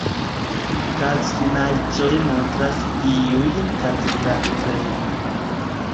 Kazfinaĵoj montras iujn kazrilatojn.